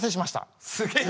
すげえ！